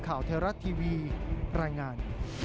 ข่าวไทยรัฐทีวีรายงาน